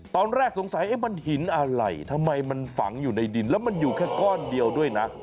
ตอนแรกสงสัยมันหินอะไรทำไมมันฝังอยู่ในดินแล้วมันอยู่แค่ก้อนเดียวด้วยนะ